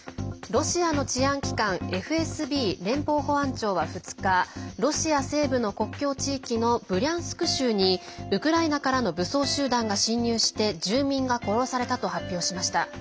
ロシアの治安機関ＦＳＢ＝連邦保安庁は２日ロシア西部の国境地域のブリャンスク州にウクライナからの武装集団が侵入して、住民が殺されたと発表しました。